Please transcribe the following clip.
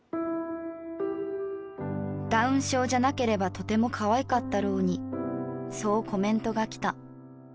「ダウン症じゃなければとても可愛かったろうにそうコメントがきた」